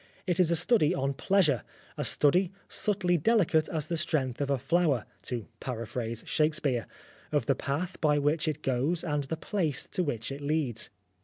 It is a study on Pleasure a study, subtly delicate as the strength of a flower (to para phrase Shakespeare), of the path by which it goes and the place to which it leads.